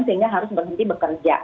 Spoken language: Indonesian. sehingga harus berhenti bekerja